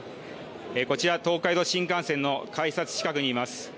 こちら東海道新幹線の改札近くにいます。